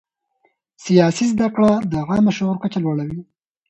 سیاسي زده کړه د عامه شعور کچه لوړوي